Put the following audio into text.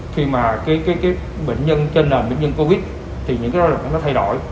khi mà bệnh nhân trên nền bệnh nhân covid thì những đợt cấp nó thay đổi